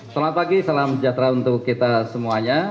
selamat pagi salam sejahtera untuk kita semuanya